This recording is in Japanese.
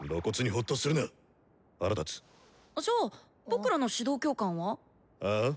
じゃあ僕らの指導教官は？あ？